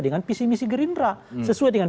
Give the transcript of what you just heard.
dengan visi misi gerindra sesuai dengan